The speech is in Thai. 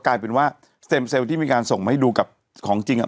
กลายเป็นว่าเต็มเซลล์ที่มีการส่งมาให้ดูกับของจริงอ่ะ